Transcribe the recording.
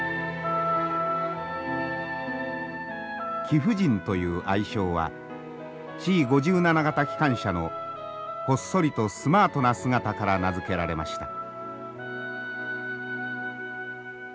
貴婦人という愛称はＣ５７形機関車のほっそりとスマートな姿から名付けられました。